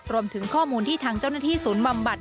รวมถึงข้อมูลที่ทางเจ้าหน้าที่ศูนย์บำบัด